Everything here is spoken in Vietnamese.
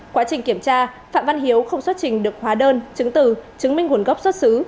quá trình kiểm tra phạm văn hiếu không xuất trình được hóa đơn chứng từ chứng minh nguồn gốc xuất xứ